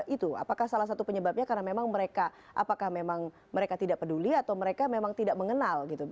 itu apakah salah satu penyebabnya karena memang mereka apakah memang mereka tidak peduli atau mereka memang tidak mengenal gitu